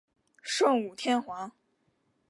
圣武天皇。